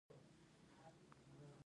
افغانستان د پکتیکا کوربه دی.